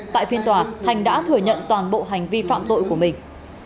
tại phiên tòa thành đã thừa nhận toàn bộ hành vi phạm tội của mình